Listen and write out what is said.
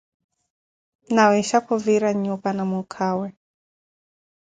nawiisha khuvira nnyupa na mukhawe